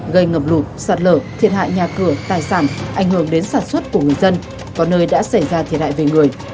gây ngập lụt sạt lở thiệt hại nhà cửa tài sản ảnh hưởng đến sản xuất của người dân có nơi đã xảy ra thiệt hại về người